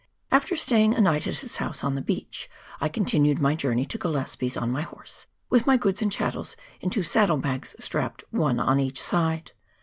After staying a night at his house on the beach, I continued my journey to Gillespies on my horse, with my goods and chatties in two saddle bags strapped one on each side.